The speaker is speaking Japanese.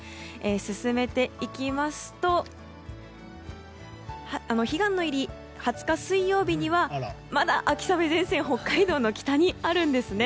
進めていきますと彼岸の入り２０日、水曜日にはまだ秋雨前線は北海道の北にあるんですね。